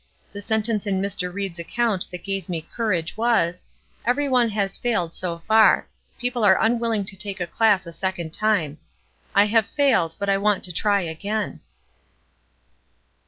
The sentence in Mr. Ried's account that gave me courage was, 'Every one has failed, so far; people are unwilling to take the class a second time.' I have failed, but I want to try again."